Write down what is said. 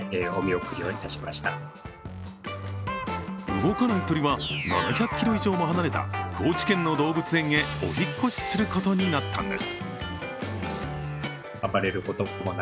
動かない鳥は７００ｋｍ以上も離れた高知県の動物園へお引っ越しすることになったんです。